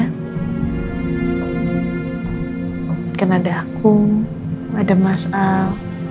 mungkin ada aku ada mas al